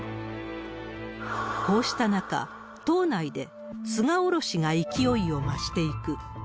こうした中、党内で菅降ろしが勢いを増していく。